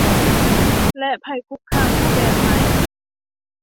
และภัยคุกคามรูปแบบใหม่